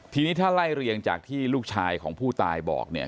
ทีนี้ถ้าไล่เรียงจากที่ลูกชายของผู้ตายบอกเนี่ย